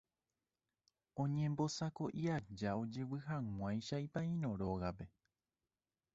Oñembosako'i aja ojevyhag̃uáicha ipaíno rógape.